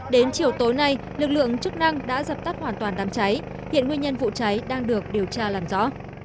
đến chiều tối nay lực lượng chức năng đã dập tắt hoàn toàn đám cháy hiện nguyên nhân vụ cháy đang được điều tra làm rõ